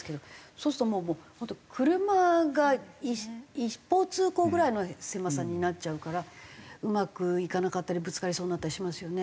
そうするともう本当車が一方通行ぐらいの狭さになっちゃうからうまくいかなかったりぶつかりそうになったりしますよね。